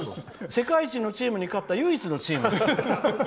世界一のチームに勝った唯一のチーム。